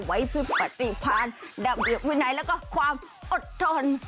ไว้ผิบปฏิพรรณระเบียบวินัยแล้วก็ความอดทน